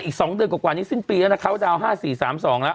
อีกสองเดือนกว่านี้สิ้นปีแล้วนะเขาจะเอา๕๔๓๒แล้ว